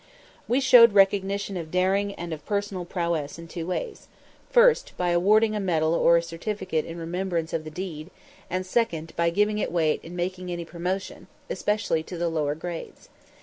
We showed recognition of daring and of personal prowess in two ways: first, by awarding a medal or a certificate in remembrance of the deed; and, second, by giving it weight in making any promotion, especially to the lower grades.